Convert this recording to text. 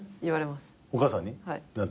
お母さんに？何て？